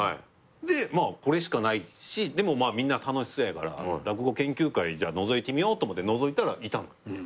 でこれしかないしでもみんな楽しそうやから落語研究会のぞいてみようと思ってのぞいたらいたのよ。